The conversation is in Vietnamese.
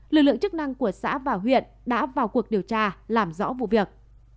lực lượng chức năng của xã và huyện đã vào cuộc điều tra làm rõ vụ việc